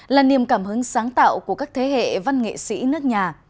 là niềm cảm hứng sáng tạo của các thế hệ văn nghệ sĩ nước nhà